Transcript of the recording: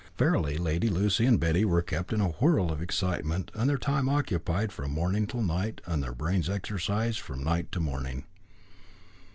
Verily Lady Lacy and Betty were kept in a whirl of excitement, and their time occupied from morning till night, and their brains exercised from night to morning.